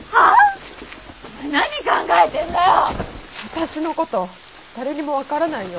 私のこと誰にも分からないよ。